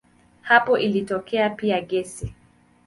Hapa ilitokea pia gesi.